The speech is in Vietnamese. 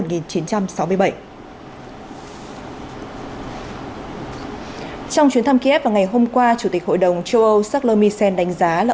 trong chuyến thăm kiev vào ngày hôm qua chủ tịch hội đồng châu âu charles misen đánh giá là